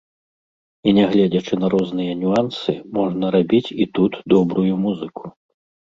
І нягледзячы на розныя нюансы можна рабіць і тут добрую музыку.